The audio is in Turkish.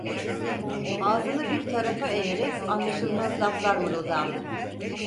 Ağzını bir tarafa eğerek anlaşılmaz laflar mırıldandı.